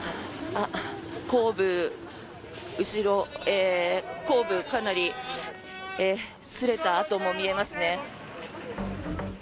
後部、後ろかなりすれた跡も見えますね。